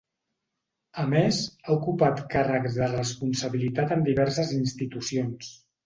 A més, ha ocupat càrrecs de responsabilitat en diverses institucions.